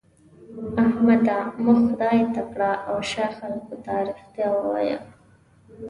احمده! مخ خدای ته کړه او شا خلګو ته؛ رښتيا ووايه.